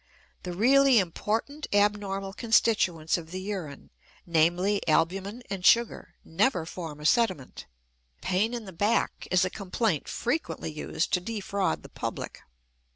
The really important abnormal constituents of the urine, namely, albumin and sugar, never form a sediment. "Pain in the back" is a complaint frequently used to defraud the public.